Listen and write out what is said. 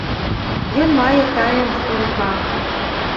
Ён мае талент у руках.